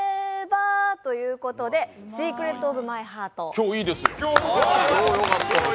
今日いいです。